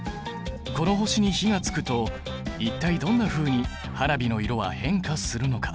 この星に火がつくと一体どんなふうに花火の色は変化するのか？